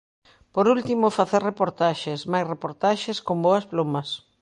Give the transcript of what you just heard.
Por último, facer reportaxes, máis reportaxes con boas plumas.